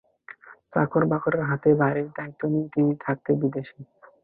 চাকর বাকরের হাতে বাড়ির দায়িত্ব দিয়ে তিনি থাকেন বিদেশে।